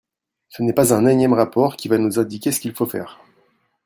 Ce n’est pas un énième rapport qui va nous indiquer ce qu’il faut faire.